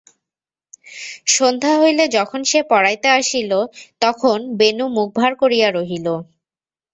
সন্ধ্যা হইলে যখন সে পড়াইতে আসিল তখন বেণু মুখ ভার করিয়া রহিল।